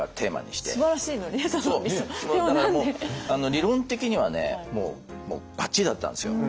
理論的にはもうバッチリだったんですよ。